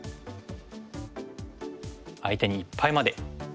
相手にいっぱいまでいく。